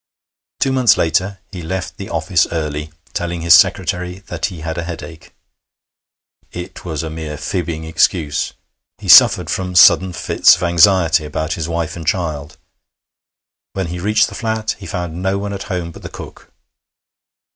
Two months later he left the office early, telling his secretary that he had a headache. It was a mere fibbing excuse. He suffered from sudden fits of anxiety about his wife and child. When he reached the flat, he found no one at home but the cook.